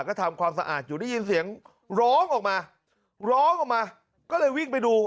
ก็ทำความสะอาดอยู่ได้ยินเสียงร้องออกมาร้องออกมาก็เลยวิ่งไปดู